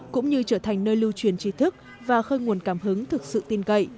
cũng như trở thành nơi lưu truyền trí thức và khơi nguồn cảm hứng thực sự tin cậy